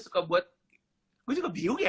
suka buat gue juga bingung ya